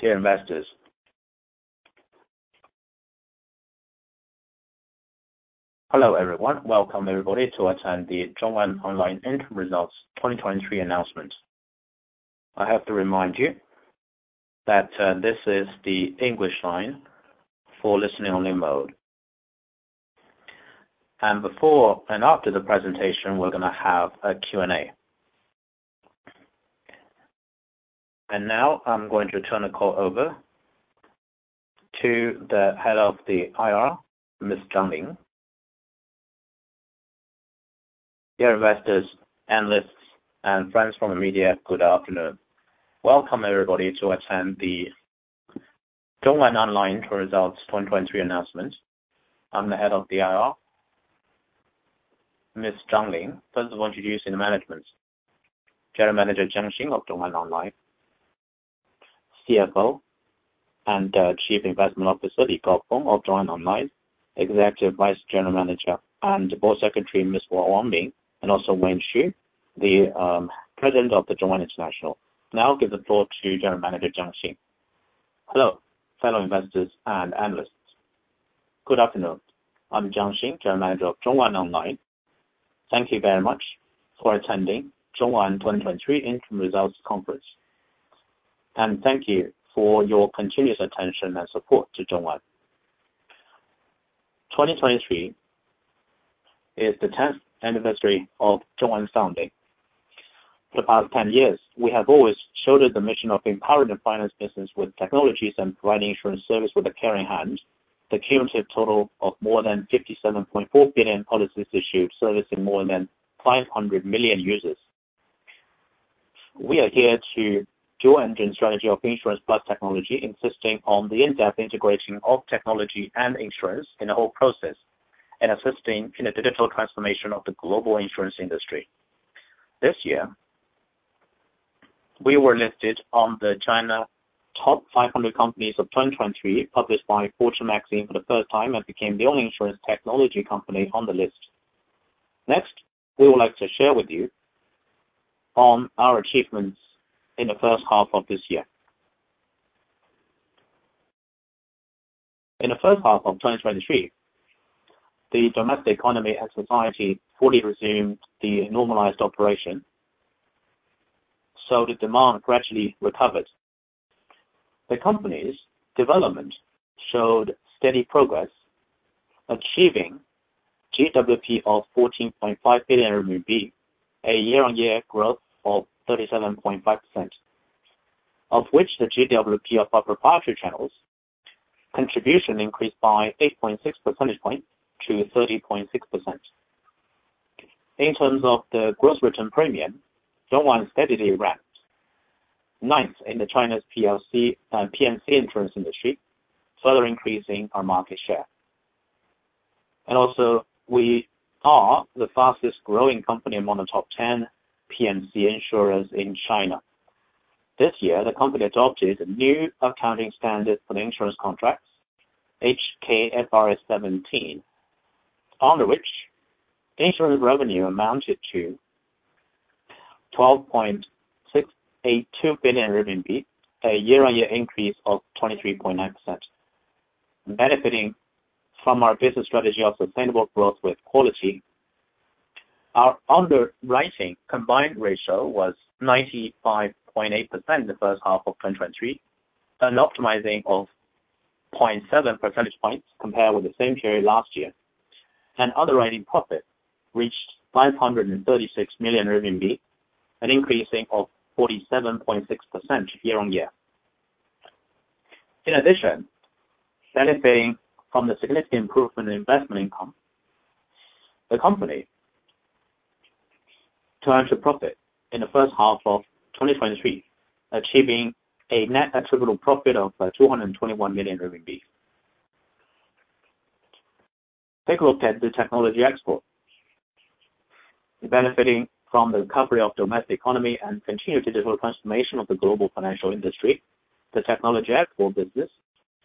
Dear investors. Hello, everyone. Welcome everybody to attend the ZhongAn Online Interim Results 2023 announcement. I have to remind you that this is the English line for listening only mode. Before and after the presentation, we're going to have a Q&A. Now I'm going to turn the call over to the Head of IR, Ms. Zhang Ling. Dear investors, analysts, and friends from the media, good afternoon. Welcome, everybody, to attend the ZhongAn Online Results 2023 announcement. I'm the Head of IR, Ms. Zhang Ling. First of all, introducing the management. General Manager Jiang Xing of ZhongAn Online, CFO and Chief Investment Officer, Li Gaofeng of ZhongAn Online, Executive Vice General Manager and Board Secretary Ms. Wang Min, and also Wayne Xu, the President of the ZhongAn International. Now I'll give the floor to General Manager Jiang Xing. Hello, fellow investors and analysts. Good afternoon. I'm Jiang Xing, General Manager of ZhongAn Online. Thank you very much for attending ZhongAn 2023 Interim Results conference. Thank you for your continuous attention and support to ZhongAn. 2023 is the 10th anniversary of ZhongAn's founding. For the past 10 years, we have always shouldered the mission of empowering the finance business with technologies and providing insurance service with a caring hand. The cumulative total of more than 57.4 billion policies issued, servicing more than 500 million users. We are here to dual-engine strategy of insurance plus technology, insisting on the in-depth integration of technology and insurance in the whole process, and assisting in the digital transformation of the global insurance industry. This year, we were listed on the China top 500 companies of 2023, published by Fortune Magazine for the first time, and became the only insurance technology company on the list. Next, we would like to share with you on our achievements in the first half of this year. In the first half of 2023, the domestic economy and society fully resumed the normalized operation, the demand gradually recovered. The company's development showed steady progress, achieving GWP of 14.5 billion RMB, a year-over-year growth of 37.5%, of which the GWP of our proprietary channels contribution increased by 8.6 percentage points to 30.6%. In terms of the gross written premium, ZhongAn steadily ranked ninth in the China's P&C insurance industry, further increasing our market share. We are the fastest growing company among the top 10 P&C insurers in China. This year, the company adopted a new accounting standard for the insurance contracts, HKFRS 17, under which insurance revenue amounted to 12.682 billion RMB, a year-over-year increase of 23.9%. Benefiting from our business strategy of sustainable growth with quality, our underwriting combined ratio was 95.8% the first half of 2023, an optimizing of 0.7 percentage points compared with the same period last year. Underwriting profit reached 536 million RMB, an increasing of 47.6% year-over-year. In addition, benefiting from the significant improvement in investment income, the company turned to a profit in the first half of 2023, achieving a net attributable profit of 221 million RMB. Take a look at the technology export. Benefiting from the recovery of domestic economy and continued digital transformation of the global financial industry, the technology export business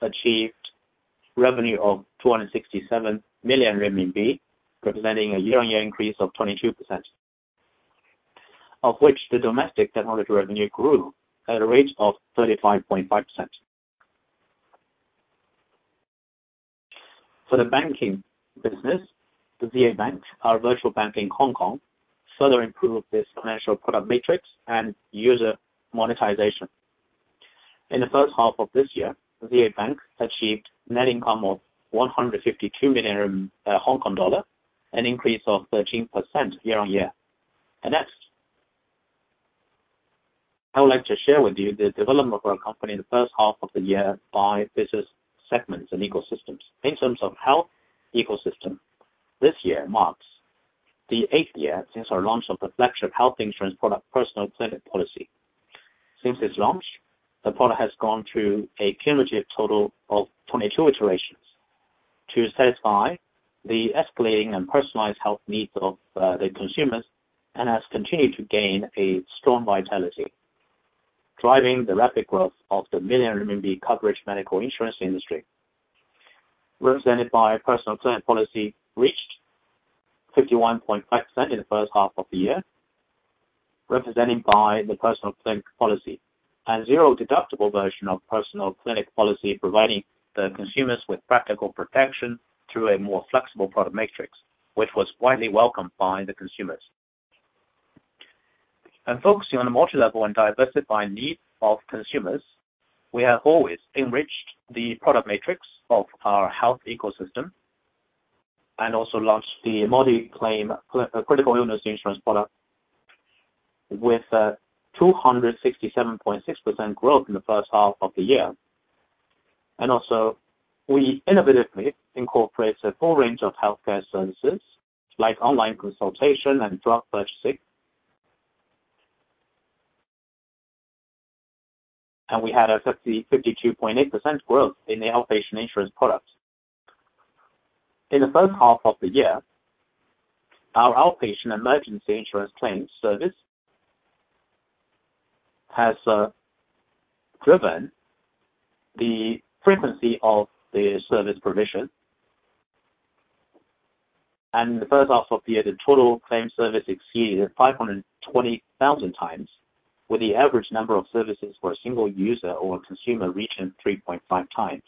achieved revenue of 267 million renminbi, representing a year-over-year increase of 22%, of which the domestic technology revenue grew at a rate of 35.5%. For the banking business, the ZA Bank, our virtual bank in Hong Kong, further improved its financial product matrix and user monetization. In the first half of this year, ZA Bank achieved net income of 152 million Hong Kong dollar, an increase of 13% year-on-year. Next, I would like to share with you the development of our company in the first half of the year by business segments and ecosystems. In terms of health ecosystem, this year marks the eighth year since our launch of the flagship health insurance product, Personal Clinic Policy. Since its launch, the product has gone through a cumulative total of 22 iterations to satisfy the escalating and personalized health needs of the consumers and has continued to gain a strong vitality, driving the rapid growth of the million CNY coverage medical insurance industry. Represented by Personal Clinic Policy reached 51.5% in the first half of the year, represented by the Personal Clinic Policy and zero deductible version of Personal Clinic Policy, providing the consumers with practical protection through a more flexible product matrix, which was widely welcomed by the consumers. Focusing on the multilevel and diversified needs of consumers, we have always enriched the product matrix of our health ecosystem, also launched the multi-claim critical illness insurance product with a 267.6% growth in the first half of the year. Also, we innovatively incorporate a full range of healthcare services, like online consultation and drug purchasing. We had a 52.8% growth in the outpatient insurance product. In the first half of the year, our outpatient emergency insurance claims service has driven the frequency of the service provision. In the first half of the year, the total claim service exceeded 520,000 times, with the average number of services for a single user or consumer reaching 3.5 times.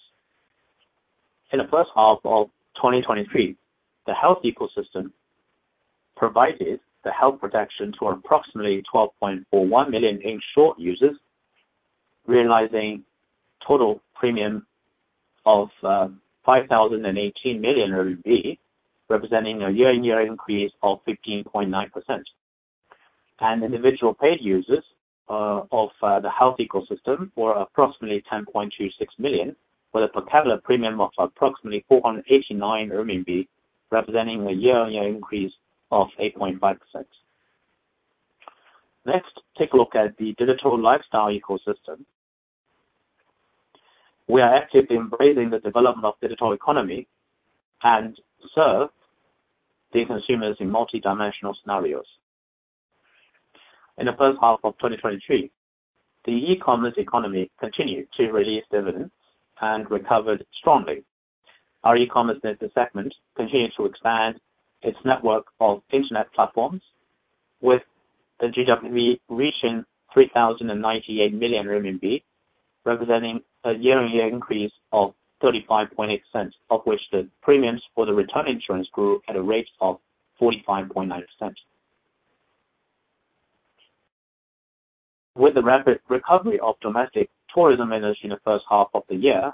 In the first half of 2023, the health ecosystem provided the health protection to approximately 12.41 million insured users, realizing total premium of 5,018 million RMB, representing a year-on-year increase of 15.9%. Individual paid users of the health ecosystem were approximately 10.26 million, with a per capita premium of approximately 489 RMB, representing a year-on-year increase of 8.5%. Next, take a look at the digital lifestyle ecosystem. We are actively embracing the development of digital economy and serve the consumers in multidimensional scenarios. In the first half of 2023, the e-commerce economy continued to release dividends and recovered strongly. Our e-commerce business segment continues to expand its network of internet platforms, with the GWP reaching 3,098 million RMB, representing a year-on-year increase of 35.8%, of which the premiums for the return insurance grew at a rate of 45.9%. With the rapid recovery of domestic tourism industry in the first half of the year,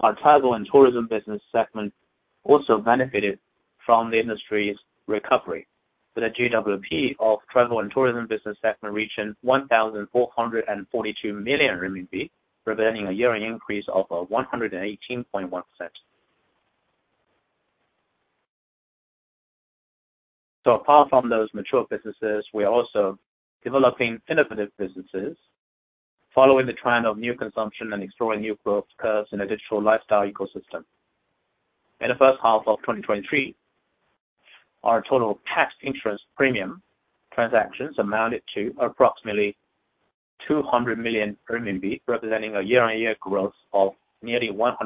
our travel and tourism business segment also benefited from the industry's recovery, with a GWP of travel and tourism business segment reaching 1,442 million RMB, representing a year-on-year increase of 118.1%. Apart from those mature businesses, we are also developing innovative businesses following the trend of new consumption and exploring new growth curves in the digital lifestyle ecosystem. In the first half of 2023, our total pet insurance premium transactions amounted to approximately 200 million RMB, representing a year-on-year growth of nearly 100%.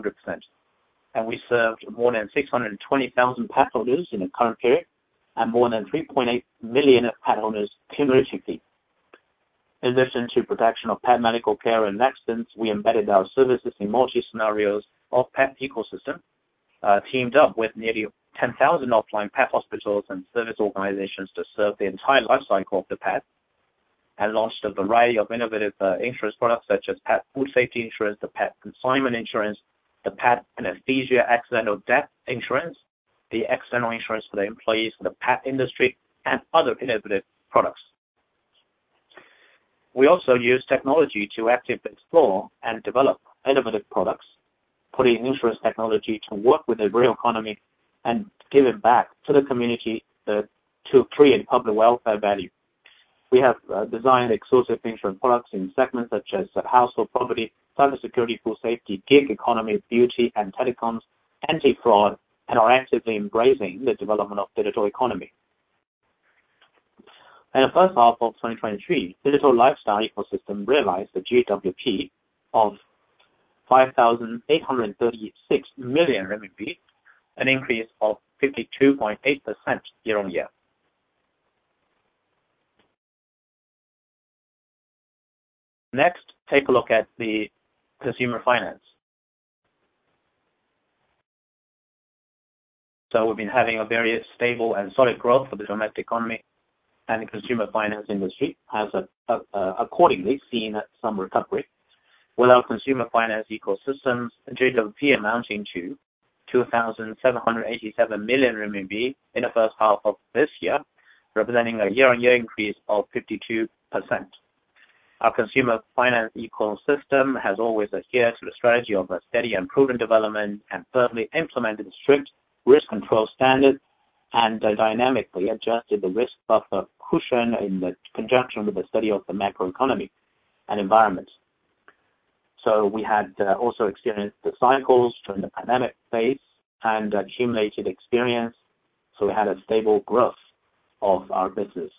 We served more than 620,000 pet owners in the current period, and more than 3.8 million pet owners cumulatively. In addition to protection of pet medical care and accidents, we embedded our services in multi-scenarios of pet ecosystem, teamed up with nearly 10,000 offline pet hospitals and service organizations to serve the entire life cycle of the pet, and launched a variety of innovative insurance products such as pet food safety insurance, the pet consignment insurance, the pet anesthesia accidental death insurance, the accidental insurance for the employees for the pet industry, and other innovative products. We also use technology to actively explore and develop innovative products, putting insurance technology to work with the real economy and give it back to the community to create public welfare value. We have designed exclusive insurance products in segments such as household property, cybersecurity, pool safety, gig economy, beauty and telecoms, anti-fraud, and are actively embracing the development of digital economy. In the first half of 2023, digital lifestyle ecosystem realized a GWP of 5,836 million RMB, an increase of 52.8% year-on-year. Next, take a look at the consumer finance. We've been having a very stable and solid growth for the domestic economy, and the consumer finance industry has accordingly seen some recovery, with our consumer finance ecosystems GWP amounting to 2,787 million RMB in the first half of this year, representing a year-on-year increase of 52%. Our consumer finance ecosystem has always adhered to the strategy of a steady and proven development and firmly implemented strict risk control standards and dynamically adjusted the risk buffer cushion in conjunction with the study of the macroeconomy and environment. We had also experienced the cycles during the pandemic phase and accumulated experience. We had a stable growth of our business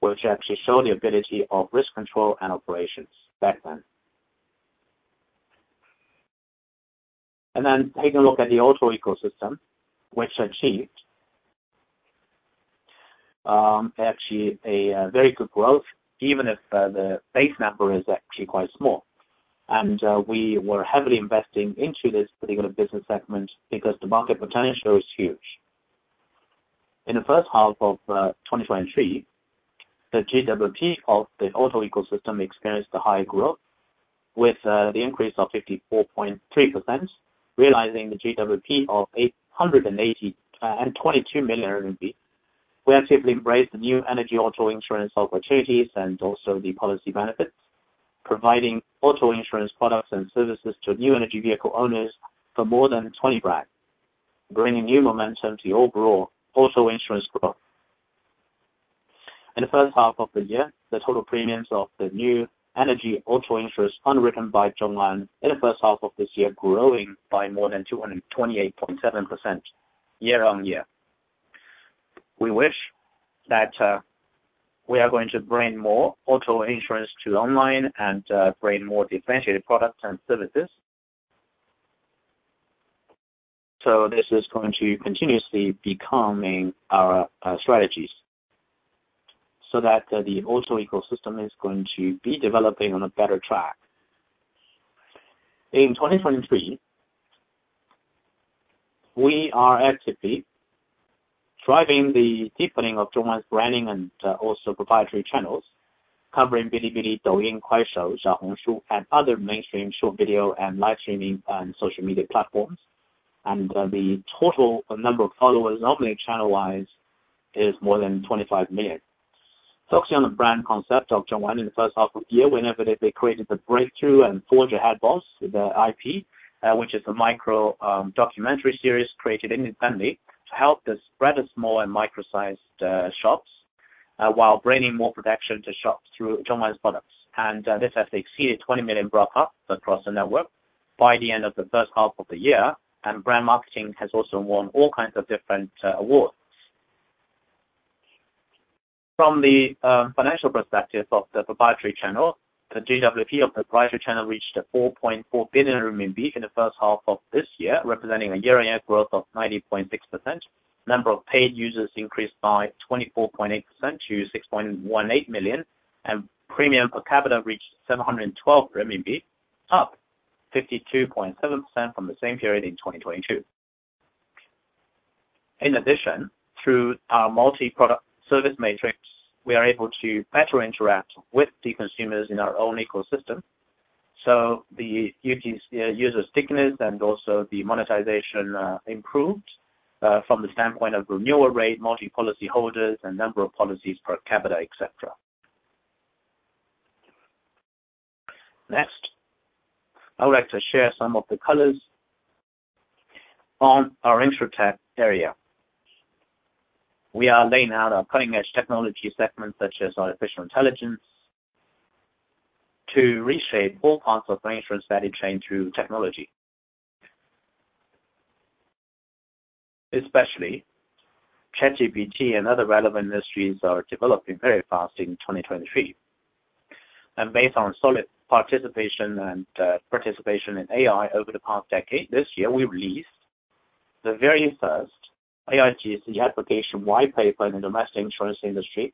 Which actually show the ability of risk control and operations back then. Taking a look at the auto ecosystem, which achieved actually a very good growth, even if the base number is actually quite small. We were heavily investing into this particular business segment because the market potential is huge. In the first half of 2023, the GWP of the auto ecosystem experienced a high growth with the increase of 54.3%, realizing the GWP of 180 and 22 million. We actively embrace the new energy auto insurance opportunities and also the policy benefits, providing auto insurance products and services to new energy vehicle owners for more than 20 brands, bringing new momentum to overall auto insurance growth. In the first half of the year, the total premiums of the new energy auto insurance underwritten by ZhongAn in the first half of this year growing by more than 228.7% year-on-year. We wish that we are going to bring more auto insurance to online and bring more differentiated products and services. This is going to continuously becoming our strategies so that the auto ecosystem is going to be developing on a better track. In 2023, we are actively driving the deepening of ZhongAn's branding and also proprietary channels, covering Bilibili, Douyin, Kuaishou, Xiaohongshu, and other mainstream short video and live streaming and social media platforms. The total number of followers on their channel-wise is more than 25 million. Focusing on the brand concept of ZhongAn in the first half of the year, we inevitably created the breakthrough and forge ahead boss, the IP, which is the micro documentary series created independently to help the spread of small and micro-sized shops, while bringing more production to shops through ZhongAn's products. This has exceeded 20 million broadcast across the network by the end of the first half of the year. Brand marketing has also won all kinds of different awards. From the financial perspective of the proprietary channel, the GWP of the proprietary channel reached 4.4 billion RMB in the first half of this year, representing a year-on-year growth of 90.6%. Number of paid users increased by 24.8% to 6.18 million, and premium per capita reached 712 RMB, up 52.7% from the same period in 2022. In addition, through our multi-product service matrix, we are able to better interact with the consumers in our own ecosystem. The user stickiness and also the monetization improved, from the standpoint of renewal rate, multi-policyholders, and number of policies per capita, et cetera. Next, I would like to share some of the colors on our InsurTech area. We are laying out our cutting-edge technology segments, such as artificial intelligence, to reshape all parts of the insurance value chain through technology. Especially ChatGPT and other relevant industries are developing very fast in 2023. Based on solid participation and participation in AI over the past decade, this year, we released the very first AIGC application white paper in the domestic insurance industry.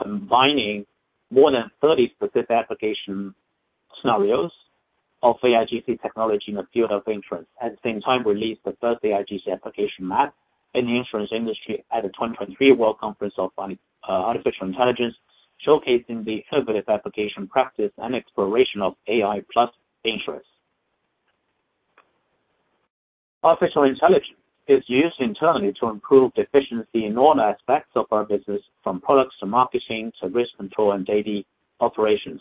Combining more than 30 specific application scenarios of AIGC technology in the field of insurance. At the same time, we released the first AIGC application map in the insurance industry at the 2023 World Artificial Intelligence Conference, showcasing the innovative application practice and exploration of AI plus insurance. Artificial intelligence is used internally to improve the efficiency in all aspects of our business, from products to marketing, to risk control and daily operations.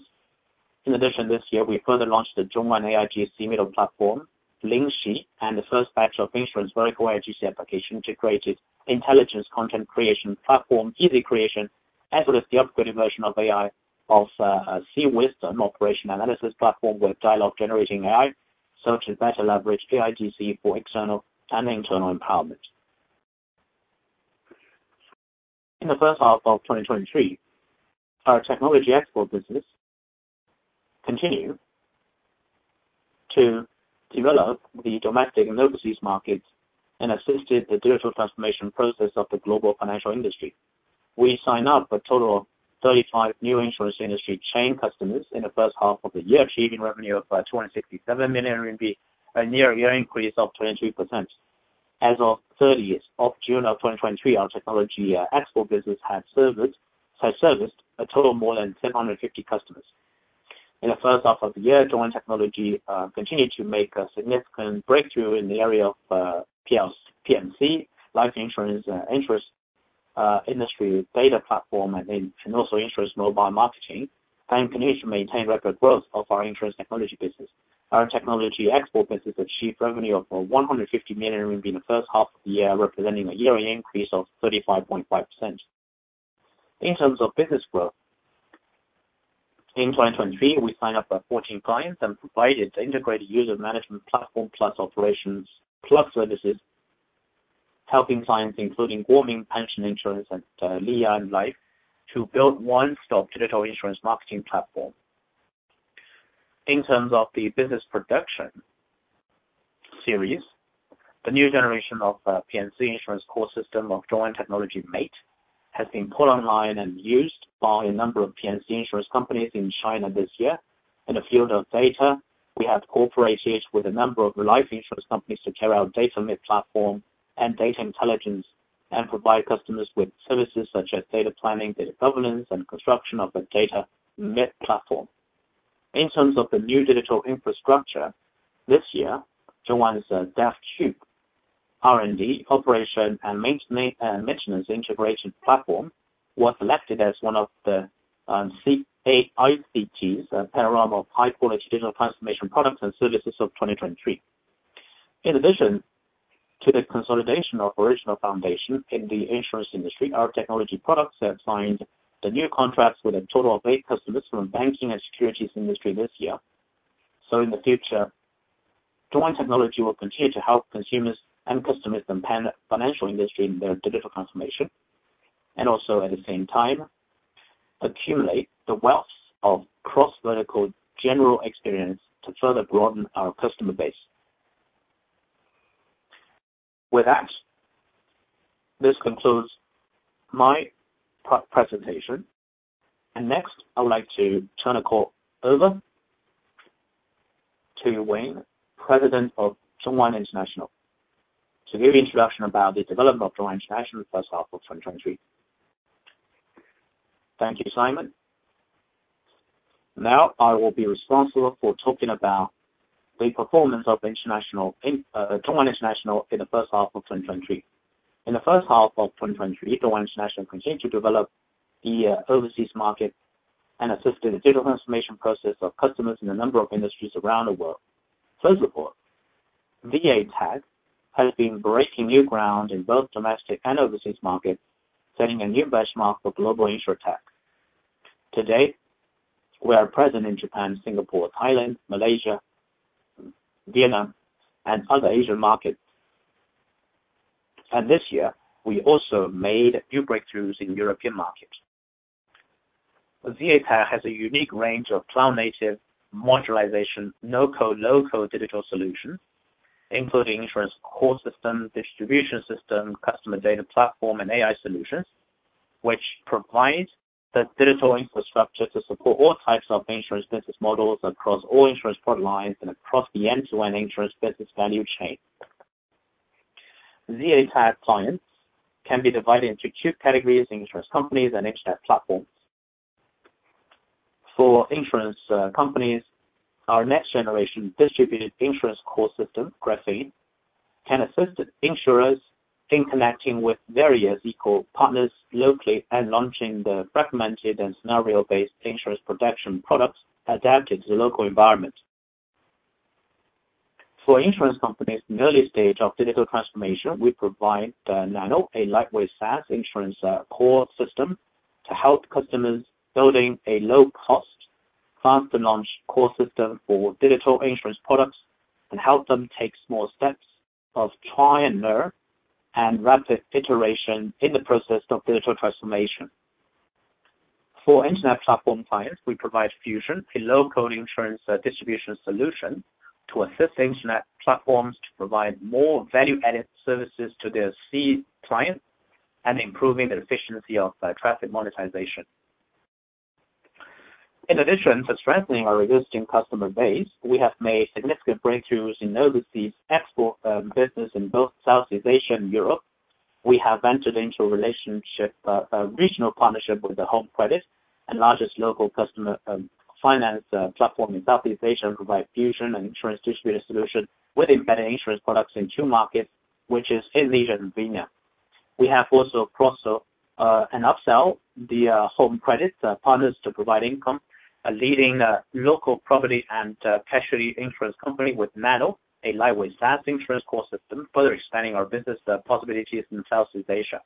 In addition, this year, we further launched the ZhongAn AIGC middle platform, Lingxi, and the first batch of insurance vertical AIGC application integrated intelligence content creation platform, Easy Creation, as well as the upgraded version of C-Wisdom operation analysis platform with dialogue generating AI, to better leverage AIGC for external and internal empowerment. In the first half of 2023, our technology export business continued to develop the domestic and overseas markets and assisted the digital transformation process of the global financial industry. We signed up a total of 35 new insurance industry chain customers in the first half of the year, achieving revenue of 267 million RMB, a year-on-year increase of 23%. As of 30th of June of 2023, our technology export business had serviced a total of more than 750 customers. In the first half of the year, ZhongAn Technology continued to make a significant breakthrough in the area of P&C, life insurance industry data platform, and also insurance mobile marketing, and continued to maintain record growth of our insurance technology business. Our technology export business achieved revenue of 150 million RMB in the first half of the year, representing a year-on-year increase of 35.5%. In terms of business growth, in 2023, we signed up 14 clients and provided integrated user management platform plus operations plus services, helping clients including Guomin Pension Insurance and Lian Life to build one-stop digital insurance marketing platform. In terms of the business production series, the new generation of P&C insurance core system of ZhongAn Technology MATE has been put online and used by a number of P&C insurance companies in China this year. In the field of data, we have cooperated with a number of life insurance companies to carry out data mid-platform and data intelligence, and provide customers with services such as data planning, data governance, and construction of the data mid-platform. In terms of the new digital infrastructure this year, ZhongAn's DevCube R&D operation and maintenance integration platform was selected as one of the CAICT's panorama of high-quality digital transformation products and services of 2023. In addition to the consolidation of original foundation in the insurance industry, our technology products have signed the new contracts with a total of eight customers from banking and securities industry this year. In the future, ZhongAn Technology will continue to help consumers and customers in financial industry in their digital transformation, and also, at the same time, accumulate the wealth of cross-vertical general experience to further broaden our customer base. With that, this concludes my presentation. Next, I would like to turn the call over to Wayne, President of ZhongAn International, to give introduction about the development of ZhongAn International first half of 2023. Thank you, Simon. Now, I will be responsible for talking about the performance of ZhongAn International in the first half of 2023. In the first half of 2023, ZhongAn International continued to develop the overseas market and assisted the digital transformation process of customers in a number of industries around the world. First of all, ZA Tech has been breaking new ground in both domestic and overseas markets, setting a new benchmark for global InsurTech. To date, we are present in Japan, Singapore, Thailand, Malaysia, Vietnam, and other Asian markets. This year, we also made a few breakthroughs in European market. ZA Tech has a unique range of cloud-native modularization, no-code, low-code digital solution, including insurance core system, distribution system, customer data platform, and AI solutions, which provides the digital infrastructure to support all types of insurance business models across all insurance product lines and across the end-to-end insurance business value chain. ZA Tech clients can be divided into 2 categories: insurance companies and InsurTech platforms. For insurance companies, our next generation distributed insurance core system, Graphene, can assist insurers in connecting with various eco partners locally and launching the recommended and scenario-based insurance production products adapted to the local environment. For insurance companies in the early stage of digital transformation, we provide Nano, a lightweight SaaS insurance core system, to help customers building a low-cost, fast-to-launch core system for digital insurance products and help them take small steps of try and learn and rapid iteration in the process of digital transformation. For internet platform clients, we provide Fusion, a low-code insurance distribution solution to assist internet platforms to provide more value-added services to their seed clients and improving the efficiency of traffic monetization. In addition to strengthening our existing customer base, we have made significant breakthroughs in overseas export business in both Southeast Asia and Europe. We have entered into a regional partnership with the Home Credit and largest local customer finance platform in Southeast Asia to provide Fusion and insurance distributor solution with embedded insurance products in two markets, which is Indonesia and Vietnam. We have also crossed an upsell the Home Credit partners to provide Income Insurance Limited, a leading local property and casualty insurance company with Nano, a lightweight SaaS insurance core system, further expanding our business possibilities in Southeast Asia.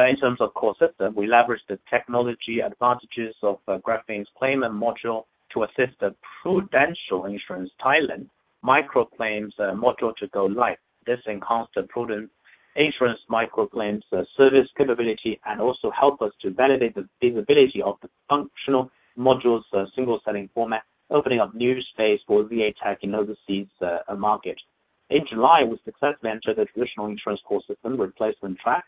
In terms of core system, we leverage the technology advantages of Graphene's claimant module to assist the Prudential Insurance Thailand microclaims module to go live. This enhanced the Prudential Insurance microclaims service capability and also help us to validate the feasibility of the functional modules' single selling format, opening up new space for ZA Tech in overseas market. In July, we successfully entered the traditional insurance core system replacement track,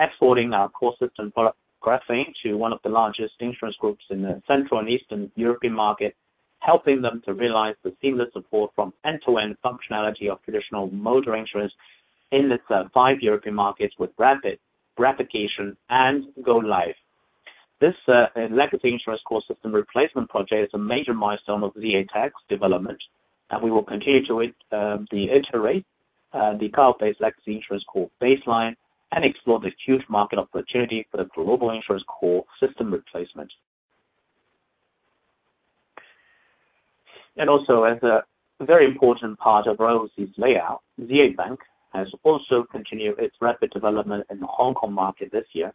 exporting our core system product, Graphene, to one of the largest insurance groups in the Central and Eastern European market, helping them to realize the seamless support from end-to-end functionality of traditional motor insurance in the five European markets with rapid replication and go live. This legacy insurance core system replacement project is a major milestone of ZA Tech's development, and we will continue to iterate the cloud-based legacy insurance core baseline and explore this huge market opportunity for the global insurance core system replacement. As a very important part of ZhongAn's layout, ZA Bank has also continued its rapid development in the Hong Kong market this year.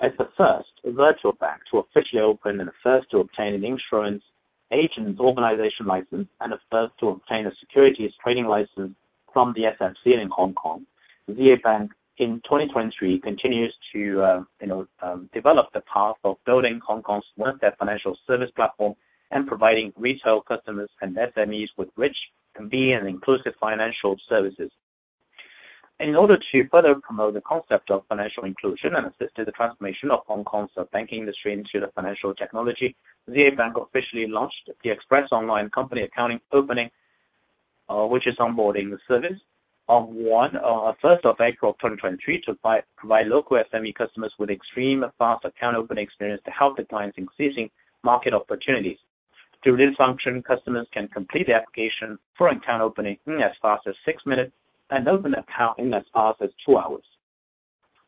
As the first virtual bank to officially open and the first to obtain an insurance agent organization license, and the first to obtain a securities trading license from the SFC in Hong Kong, ZA Bank in 2023 continues to develop the path of building Hong Kong's largest financial service platform and providing retail customers and SMEs with rich, convenient, and inclusive financial services. In order to further promote the concept of financial inclusion and assist the transformation of Hong Kong's banking industry into the financial technology, ZA Bank officially launched the Express Online company account opening, which is onboarding the service of first of April 2023 to provide local SME customers with extreme fast account opening experience to help the clients increasing market opportunities. Through this function, customers can complete the application for account opening in as fast as six minutes and open an account in as fast as two hours.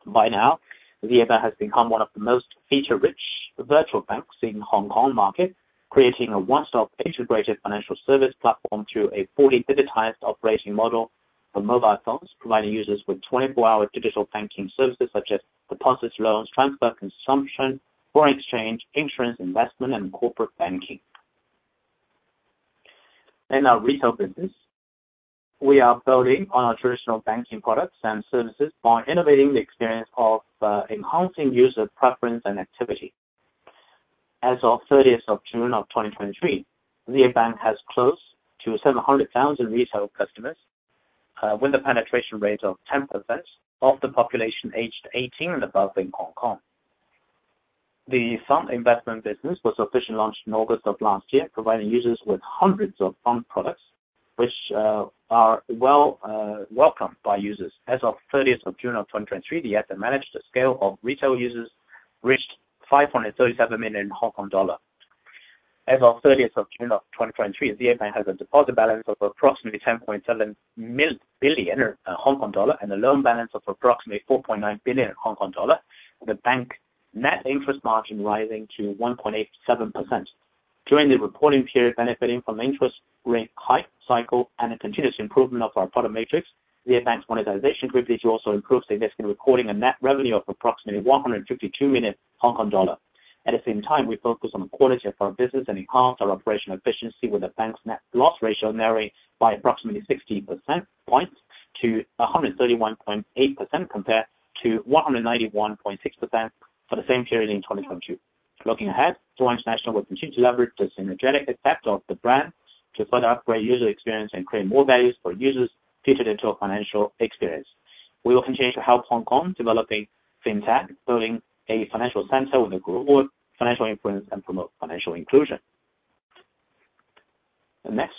By now, ZA Bank has become one of the most feature-rich virtual banks in Hong Kong market, creating a one-stop integrated financial service platform through a fully digitized operating model for mobile phones, providing users with 24-hour digital banking services such as deposits, loans, transfer, consumption, foreign exchange, insurance, investment, and corporate banking. In our retail business, we are building on our traditional banking products and services by innovating the experience of enhancing user preference and activity. As of 30th of June of 2023, ZA Bank has close to 700,000 retail customers, with the penetration rate of 10% of the population aged 18 and above in Hong Kong. The fund investment business was officially launched in August of last year, providing users with hundreds of fund products, which are well welcomed by users. As of 30th of June of 2023, the asset managed scale of retail users reached 537 million Hong Kong dollar. As of 30th of June of 2023, ZA Bank has a deposit balance of approximately 10.7 billion Hong Kong dollar and a loan balance of approximately 4.9 billion Hong Kong dollar, with the bank net interest margin rising to 1.87%. During the reporting period, benefiting from the interest rate hike cycle and a continuous improvement of our product matrix, ZA Bank's monetization capability also improved significantly, recording a net revenue of approximately 152 million Hong Kong dollar. At the same time, we focus on the quality of our business and enhance our operational efficiency with the bank's net loss ratio narrowing by approximately 60 percentage points to 131.8% compared to 191.6% for the same period in 2022. Looking ahead, ZhongAn International will continue to leverage the synergetic effect of the brand to further upgrade user experience and create more values for users featured into a financial experience. We will continue to help Hong Kong developing fintech, building a financial center with a global financial influence and promote financial inclusion. Next,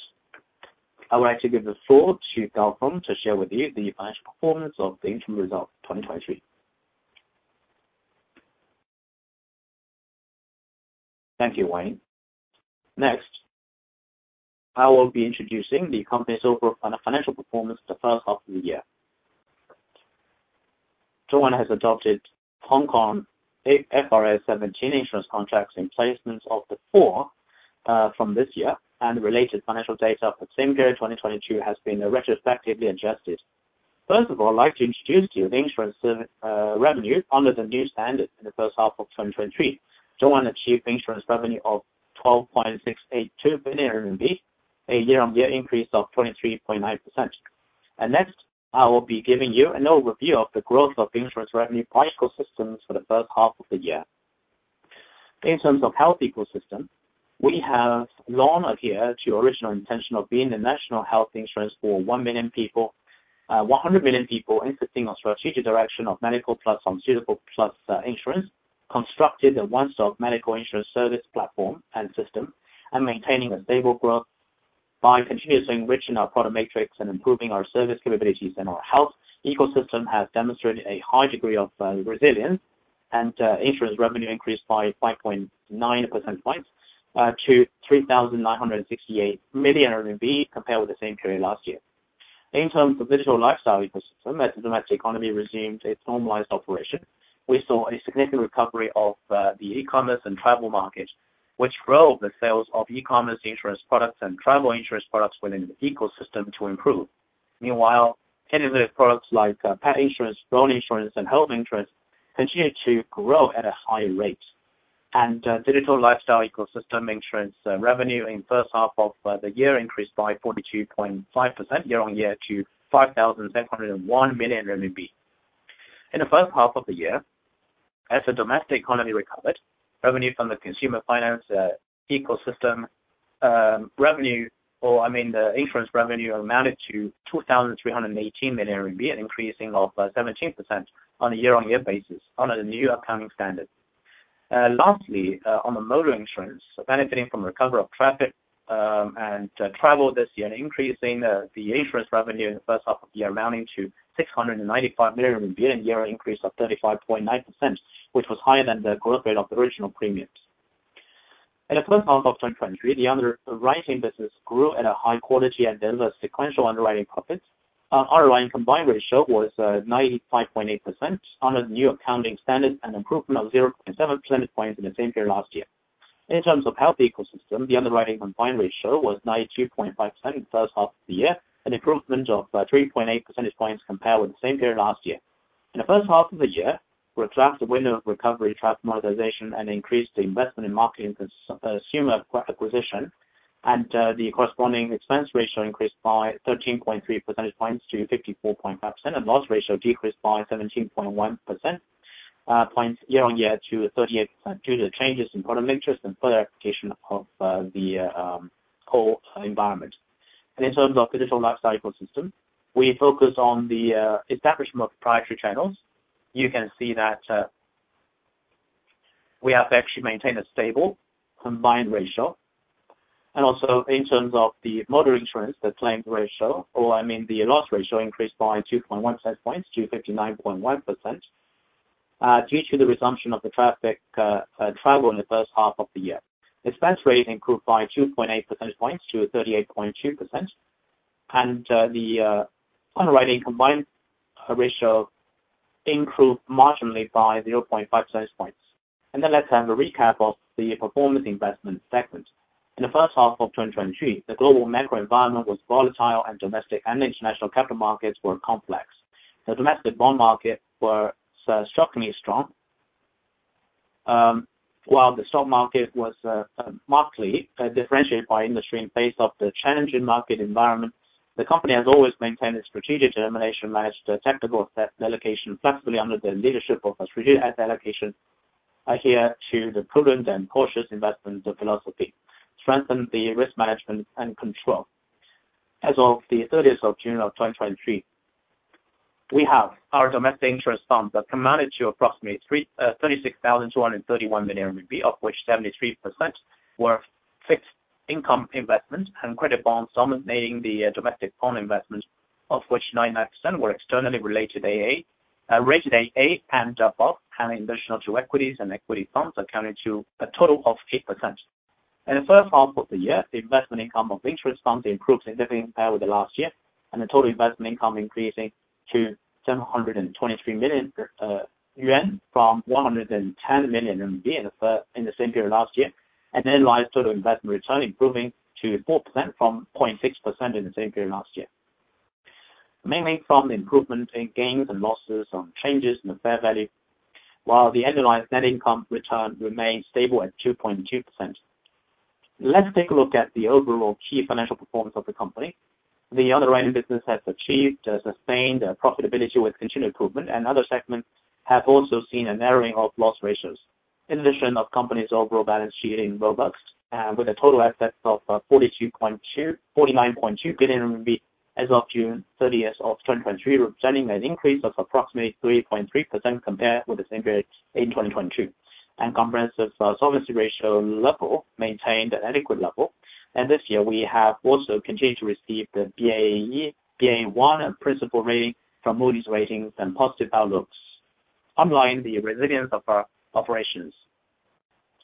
I would like to give the floor to Gaofeng to share with you the financial performance of the interim results 2023. Thank you, Wayne. Next, I will be introducing the company's overall financial performance the first half of the year. ZhongAn has adopted Hong Kong IFRS 17 insurance contracts in place of the former from this year, and related financial data for the same period 2022 has been retrospectively adjusted. First of all, I'd like to introduce to you the insurance revenue under the new standard in the first half of 2023. ZhongAn achieved insurance revenue of 12.682 billion RMB, a year-over-year increase of 23.9%. Next, I will be giving you an overview of the growth of the insurance revenue across ecosystems for the first half of the year. In terms of health ecosystem, we have long adhered to original intention of being the national health insurance for 100 million people insisting on strategic direction of medical plus InsurTech plus insurance, constructed a one-stop medical insurance service platform and system, and maintaining a stable growth by continuously enriching our product matrix and improving our service capabilities. Our health ecosystem has demonstrated a high degree of resilience, and insurance revenue increased by 5.9% to 3,968 million RMB compared with the same period last year. In terms of digital lifestyle ecosystem, as the domestic economy resumed its normalized operation, we saw a significant recovery of the e-commerce and travel market, which drove the sales of e-commerce insurance products and travel insurance products within the ecosystem to improve. Innovative products like pet insurance, loan insurance, and health insurance continued to grow at a high rate. Digital lifestyle ecosystem insurance revenue in first half of the year increased by 42.5% year-on-year to 5,701 million RMB. In the first half of the year, as the domestic economy recovered, revenue from the consumer finance ecosystem revenue or, I mean, the insurance revenue amounted to 2,318 million RMB, an increasing of 17% on a year-on-year basis under the new accounting standard. Lastly, on the motor insurance, benefiting from recovery of traffic and travel this year, increasing the insurance revenue in the first half of the year amounting to 695 million, a year-on-year increase of 35.9%, which was higher than the growth rate of original premiums. In the first half of 2023, the underwriting business grew at a high quality and delivered sequential underwriting profits. Our underlying combined ratio was 95.8% under the new accounting standard, an improvement of 0.7 percentage points in the same period last year. In terms of health ecosystem, the underwriting combined ratio was 92.5% in the first half of the year, an improvement of 3.8 percentage points compared with the same period last year. In the first half of the year, we embraced the window of recovery, traffic modernization, increased the investment in marketing consumer acquisition. The corresponding expense ratio increased by 13.3 percentage points to 54.5%, and loss ratio decreased by 17.1 percentage points year-on-year to 38%, due to the changes in product mixes and further application of the whole environment. In terms of digital lifestyle ecosystem, we focus on the establishment of proprietary channels. You can see that we have actually maintained a stable combined ratio. Also, in terms of the motor insurance, the claim ratio or I mean the loss ratio increased by 2.1 percentage points to 59.1%, due to the resumption of the traffic travel in the first half of the year. Expense rate improved by 2.8 percentage points to 38.2%. The underwriting combined ratio improved marginally by 0.5 percentage points. Let's have a recap of the performance investment segment. In the first half of 2023, the global macro environment was volatile. Domestic and international capital markets were complex. The domestic bond market was shockingly strong, while the stock market was markedly differentiated by industry. In the face of the challenging market environment, the company has always maintained its strategic determination, managed tactical asset allocation flexibly under the leadership of a strategic asset allocation, adhere to the prudent and cautious investment philosophy, strengthen the risk management and control. As of June 30, 2023, we have our domestic interest funds that can manage to approximately 36,231 million RMB, of which 73% were fixed income investment and credit bonds dominating the domestic bond investments, of which 99% were externally rated A and above, and additional to equities and equity funds accounting to a total of 8%. In the first half of the year, the investment income of interest funds improved significantly compared with last year. The total investment income increasing to 723 million yuan from 110 million yuan in the same period last year. Annualized total investment return improving to 4% from 0.6% in the same period last year. Mainly from improvement in gains and losses on changes in the fair value, while the annualized net income return remained stable at 2.2%. Let's take a look at the overall key financial performance of the company. The underwriting business has achieved sustained profitability with continued improvement, and other segments have also seen a narrowing of loss ratios. In addition of company's overall balance sheet in robustness, with a total asset of 49.2 billion RMB as of June 30, 2023, representing an increase of approximately 3.3% compared with the same period in 2022. Comprehensive solvency ratio level maintained an adequate level. This year we have also continued to receive the Baa1 and principal rating from Moody's Ratings and positive outlooks, underlying the resilience of our operations.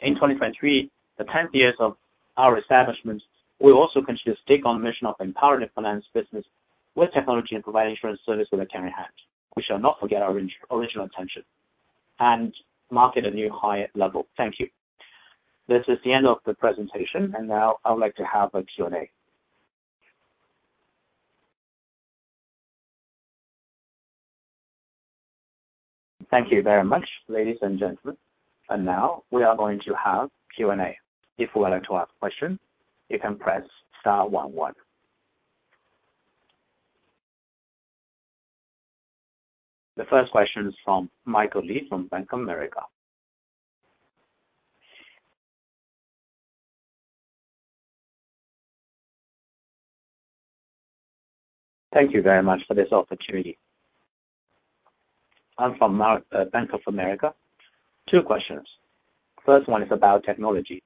In 2023, the tenth year of our establishment, we'll also continue to take on the mission of empowering the finance business with technology and provide insurance service with a caring heart. We shall not forget our original intention and mark a new higher level. Thank you. This is the end of the presentation, now I would like to have a Q&A. Thank you very much, ladies and gentlemen. Now we are going to have Q&A. If you would like to ask question, you can press star one. The first question is from Michael Li, from Bank of America. Thank you very much for this opportunity. I'm from Bank of America. Two questions. First one is about technology.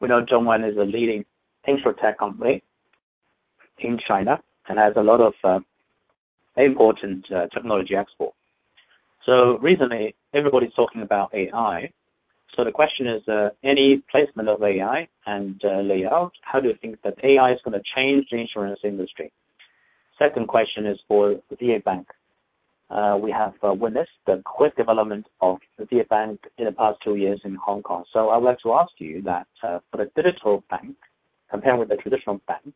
We know ZhongAn is a leading InsurTech company in China and has a lot of important technology export. Recently, everybody's talking about AI. The question is, any placement of AI and layout? How do you think that AI is going to change the insurance industry? Second question is for the ZA Bank. We have witnessed the quick development of the ZA Bank in the past two years in Hong Kong. I would like to ask you that, for a digital bank, compared with the traditional bank,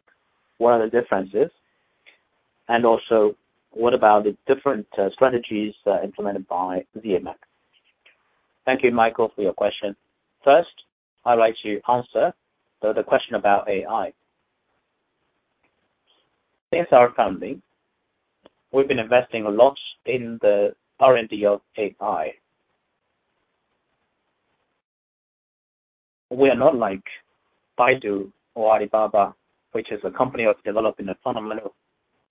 what are the differences? What about the different strategies implemented by ZA Bank? Thank you, Michael, for your question. First, I'd like to answer the question about AI. Since our founding, we've been investing a lot in the R&D of AI. We are not like Baidu or Alibaba, which is a company of developing the fundamental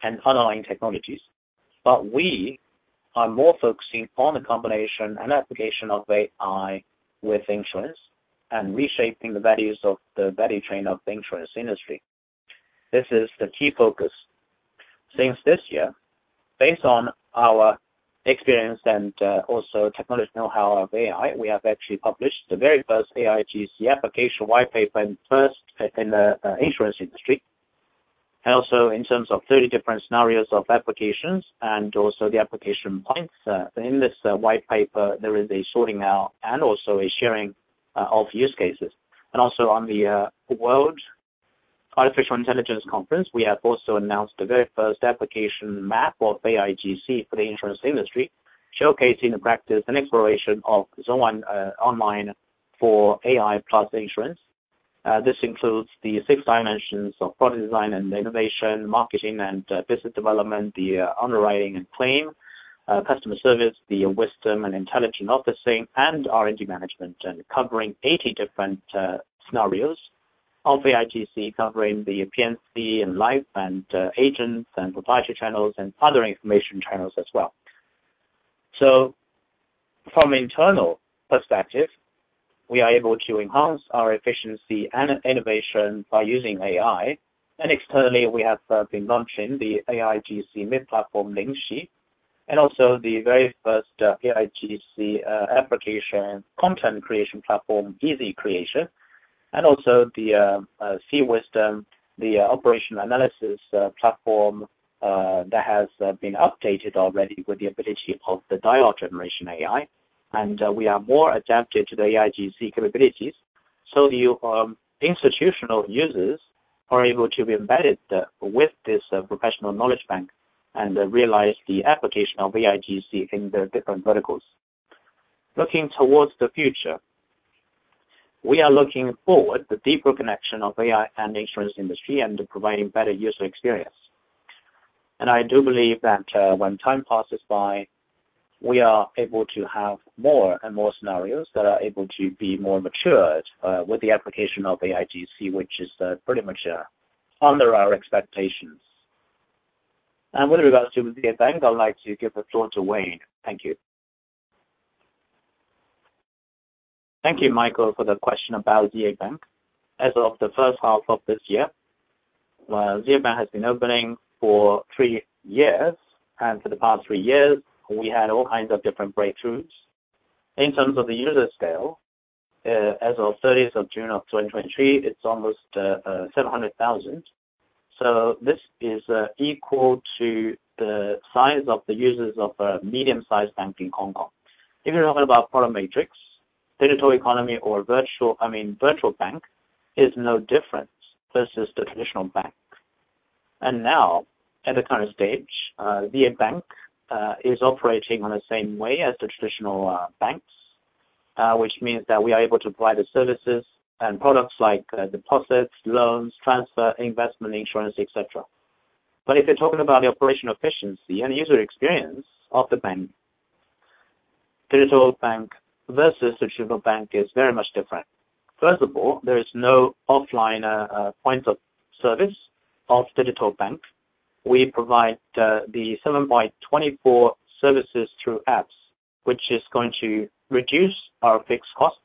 and underlying technologies. We are more focusing on the combination and application of AI with insurance and reshaping the values of the value chain of the insurance industry. This is the key focus. Since this year, based on our experience and also technology know-how of AI, we have actually published the very first AIGC application white paper first in the insurance industry. In terms of 30 different scenarios of applications and also the application points. In this white paper, there is a sorting out and also a sharing of use cases. On the World Artificial Intelligence Conference, we have also announced the very first application map of AIGC for the insurance industry, showcasing the practice and exploration of ZhongAn online for AI plus insurance. This includes the six dimensions of product design and innovation, marketing and business development, the underwriting and claim, customer service, the wisdom and intelligent officing, and R&D management, covering 80 different scenarios of AIGC, covering the P&C and life and agents and proprietary channels and other information channels as well. From internal perspective, we are able to enhance our efficiency and innovation by using AI. Externally, we have been launching the AIGC mid-platform, Lingxi, and also the very first AIGC application content creation platform, EasyCreation, and also the C-Wisdom, the operational analysis platform that has been updated already with the ability of the dialogue generation AI. We are more adapted to the AIGC capabilities, so the institutional users are able to be embedded with this professional knowledge bank and realize the application of AIGC in the different verticals. Looking towards the future, we are looking forward to deeper connection of AI and the insurance industry and providing better user experience. I do believe that when time passes by, we are able to have more and more scenarios that are able to be more matured with the application of AIGC, which is pretty much under our expectations. With regards to the ZA Bank, I'd like to give the floor to Wayne. Thank you. Thank you, Michael, for the question about ZA Bank. As of the first half of this year, ZA Bank has been opening for three years. For the past three years, we had all kinds of different breakthroughs. In terms of the user scale, as of 30th of June of 2023, it's almost 700,000. This is equal to the size of the users of a medium-sized bank in Hong Kong. If you're talking about product matrix, digital economy or virtual bank is no different versus the traditional bank. Now, at the current stage, ZA Bank is operating on the same way as the traditional banks, which means that we are able to provide the services and products like deposits, loans, transfer, investment, insurance, et cetera. If you're talking about the operational efficiency and user experience of the bank, digital bank versus traditional bank is very much different. First of all, there is no offline points of service of digital bank. We provide the seven by 24 services through apps, which is going to reduce our fixed cost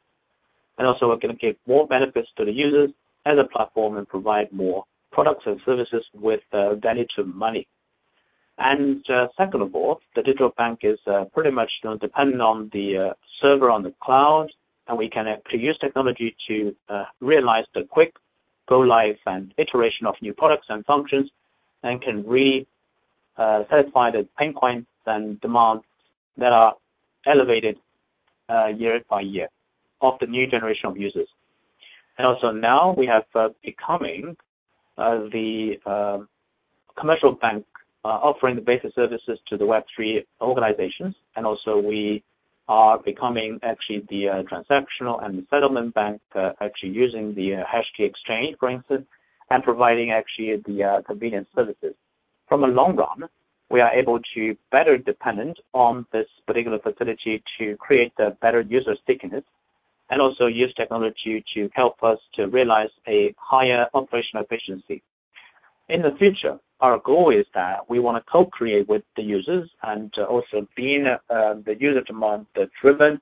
and also we're going to give more benefits to the users as a platform and provide more products and services with value for money. Second of all, the digital bank is pretty much dependent on the server on the cloud, and we can actually use technology to realize the quick go live and iteration of new products and functions and can really satisfy the pain points and demands that are elevated year by year of the new generation of users. Also now we have becoming the commercial bank offering the basic services to the Web3 organizations. Also we are becoming actually the transactional and settlement bank, actually using the HashKey Exchange, for instance, and providing actually the convenience services. From a long run, we are able to better dependent on this particular facility to create a better user stickiness and also use technology to help us to realize a higher operational efficiency. In the future, our goal is that we want to co-create with the users and also being the user demand driven